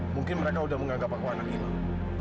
mungkin mereka udah menganggap aku anak ilang